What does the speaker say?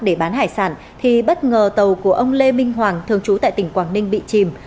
để bán hải sản thì bất ngờ tàu của ông lê minh hoàng thường trú tại tỉnh quảng ninh bị chìm